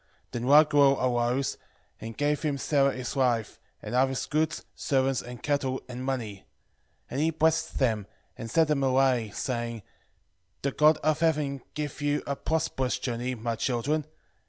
10:10 Then Raguel arose, and gave him Sara his wife, and half his goods, servants, and cattle, and money: 10:11 And he blessed them, and sent them away, saying, The God of heaven give you a prosperous journey, my children.